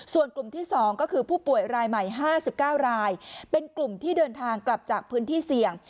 ส่วนกลุ่มที่๒ก็คือผู้ป่วยรายใหม่๕๙รายเป็นกลุ่มที่เดินทางกลับจากพื้นที่เสี่ยง